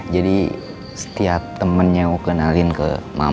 jadi setiap temennya aku kenalin ke mama